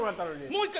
もう１回。